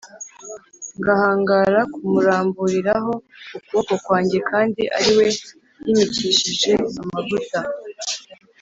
ngahangara kumuramburiraho ukuboko kwanjye kandi ari we Uwiteka yimikishije amavuta.